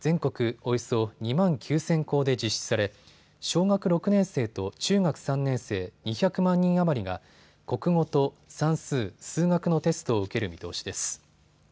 およそ２万９０００校で実施され小学６年生と中学３年生２００万人余りが国語と算数・数学のテストを受ける見通しです。